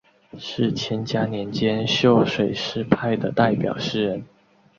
是干嘉年间秀水诗派的代表诗人。